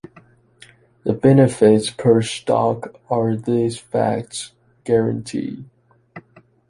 The benefits per stock are this fact’s guarantee.